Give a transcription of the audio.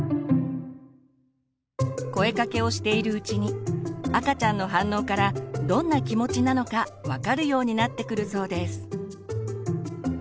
声かけをしているうちに赤ちゃんの反応からどんな気持ちなのか分かるようになってくるそうです。